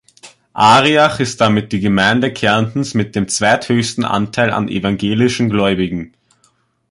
Arriach ist damit die Gemeinde Kärntens mit dem zweithöchsten Anteil an evangelischen Gläubigen.